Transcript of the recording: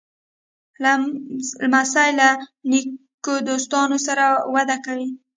لمسی له نیکو دوستانو سره وده کوي.